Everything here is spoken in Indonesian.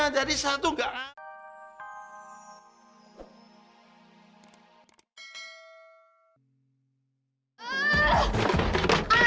jadi saya tuh gak ngerti